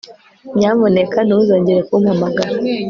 Nyamuneka ntuzongere kumpamagara